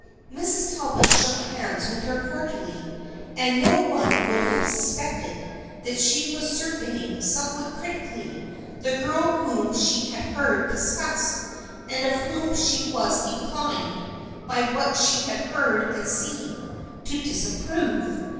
Mrs. Talbot shook hands with her cordially, and no one would have suspected that she was survey ing somewhat critically the girl whom she had heard discussed and of whom she was inclined, by what she had heard and seen, to disapprove.